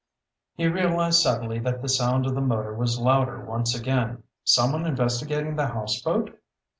He realized suddenly that the sound of the motor was louder once again. Someone investigating the houseboat?